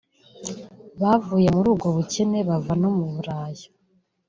bavuye muri ubwo bukene bava no mu buraya